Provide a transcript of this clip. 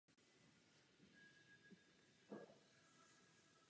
Stavba je zařazena mezi kulturní památky České republiky.